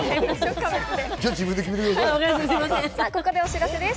ここでお知らせです。